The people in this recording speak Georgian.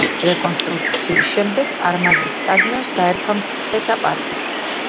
რეკონსტრუქციის შემდეგ არმაზის სტადიონს დაერქვა მცხეთა პარკი.